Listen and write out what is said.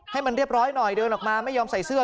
ให้มันเรียบร้อยหน่อยเดินออกมาไม่ยอมใส่เสื้อ